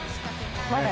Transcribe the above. まだ。